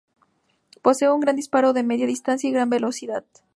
Posee un gran disparo de media distancia y gran velocidad.